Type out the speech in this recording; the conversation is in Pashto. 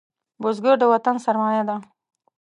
بزګر د وطن سرمايه ده